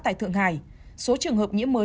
tại thượng hải số trường hợp nhiễm mới